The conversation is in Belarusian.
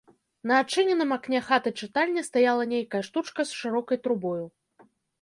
На адчыненым акне хаты-чытальні стаяла нейкая штучка з шырокай трубою.